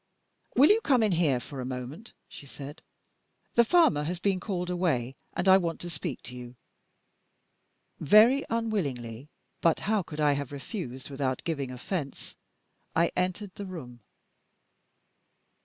"Will you come in here for a moment?" she said. "The farmer has been called away, and I want to speak to you." Very unwillingly but how could I have refused without giving offense? I entered the room.